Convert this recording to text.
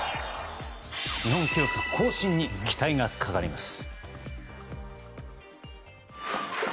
日本記録更新に期待がかかります。